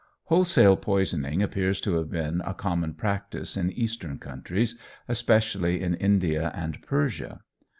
Wholesale poisoning appears to have been a common practice in Eastern countries, especially in India and Persia.